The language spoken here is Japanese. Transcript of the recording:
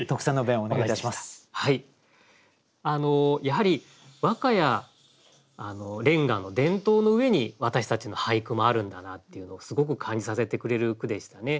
やはり和歌や連歌の伝統の上に私たちの俳句もあるんだなっていうのをすごく感じさせてくれる句でしたね。